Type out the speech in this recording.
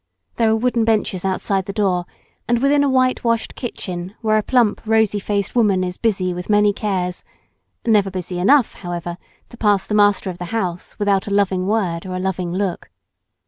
There are wooden benches outside the door, and within a whitewashed kitchen, where a plump rosy faced woman is busy with many cares—never busy enough, however, to pass the master of the house without a loving word or a loving look.